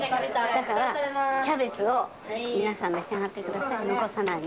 だからキャベツを皆さん召し上がってくださいね、残さないで。